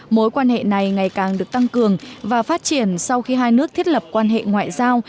mối quan hệ này ngày càng được tăng cường và phát triển sau khi hai nước thiết lập quan hệ ngoại giao